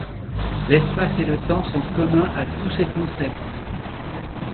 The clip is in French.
L'espace et le temps sont communs à tous ces concepts.